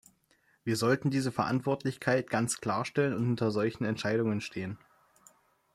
Wir sollten diese Verantwortlichkeit ganz klarstellen und hinter solchen Entscheidungen stehen.